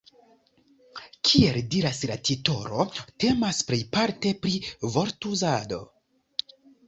Kiel diras la titolo, temas plejparte pri vortuzado.